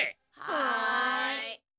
はい。